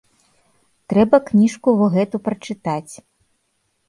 Трэба кніжку во гэту прачытаць.